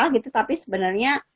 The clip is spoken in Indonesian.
gitu tapi sebenarnya